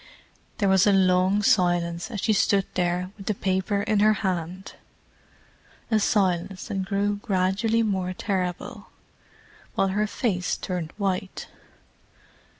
There was a long silence as she stood there with the paper in her hand: a silence that grew gradually more terrible, while her face turned white.